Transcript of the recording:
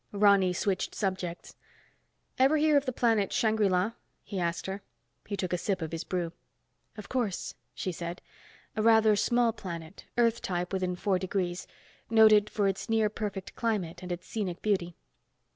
Ronny switched subjects. "Ever hear of the planet Shangri La?" he asked her. He took a sip of his brew. "Of course," she said. "A rather small planet, Earth type within four degrees. Noted for its near perfect climate and its scenic beauty."